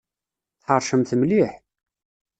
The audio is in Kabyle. Tḥeṛcemt mliḥ!